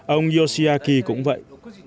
ông yoshiaki cũng vậy